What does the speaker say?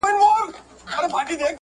البته دا احساس ضرور لرم